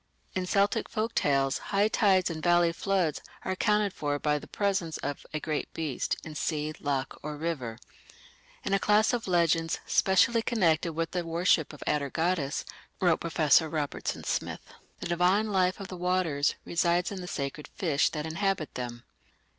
In Celtic folk tales high tides and valley floods are accounted for by the presence of a "great beast" in sea, loch, or river. In a class of legends, "specially connected with the worship of Atargatis", wrote Professor Robertson Smith, "the divine life of the waters resides in the sacred fish that inhabit them.